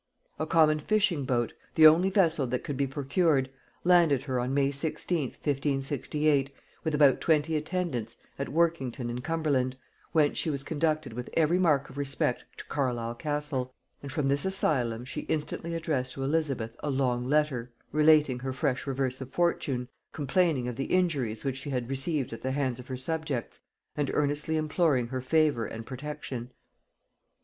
A common fishing boat, the only vessel that could be procured, landed her on May 16th 1568, with about twenty attendants, at Workington in Cumberland, whence she was conducted with every mark of respect to Carlisle castle; and from this asylum she instantly addressed to Elizabeth a long letter, relating her fresh reverse of fortune, complaining of the injuries which she had received at the hands of her subjects, and earnestly imploring her favor and protection.